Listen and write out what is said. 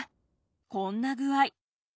こんな具合。